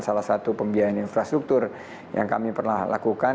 salah satu pembiayaan infrastruktur yang kami pernah lakukan